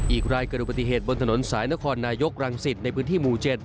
อีกรายเกิดอุบัติเหตุบนถนนสายนครนายกรังสิตในพื้นที่หมู่๗